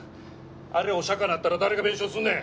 あれお釈迦なったら誰が弁償すんねん！